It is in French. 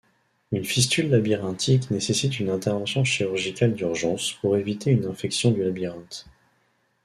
Une fistule labyrinthique nécessite une intervention chirurgicale d’urgence, pour éviter une infection du labyrinthe.